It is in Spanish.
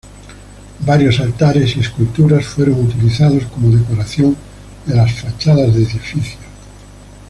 Varios altares y esculturas fueron utilizados como decoración de las fachadas de edificios.